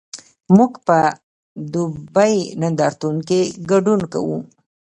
موږ په دوبۍ نندارتون کې ګډون کوو؟